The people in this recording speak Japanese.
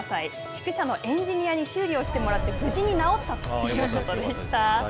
宿舎のエンジニアに修理してもらって無事に直したということでした。